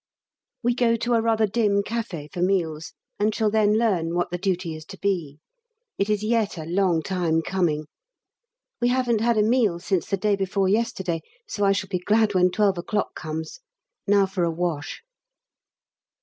We go to a rather dim café for meals, and shall then learn what the duty is to be. It is yet a long time coming. We haven't had a meal since the day before yesterday, so I shall be glad when 12 o'clock comes. Now for a wash.